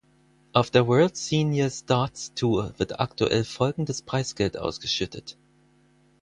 Auf der World Seniors Darts Tour wird aktuell folgendes Preisgeld ausgeschüttet.